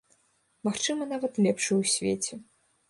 Магчыма, нават, лепшую ў свеце.